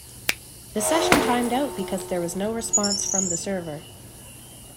The session timed out because there was no response from the server.